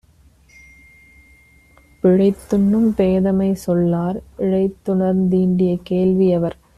பிழைத்துணர்ந்தும் பேதைமை சொல்லார் இழைத்துணர்ந்தீண்டிய கேள்வி யவர்.